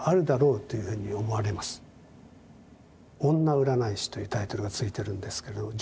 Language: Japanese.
「女占い師」というタイトルがついてるんですけれども。